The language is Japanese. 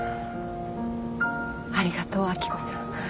ありがとう明子さん。